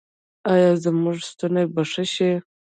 ایا زما ستونی به ښه شي؟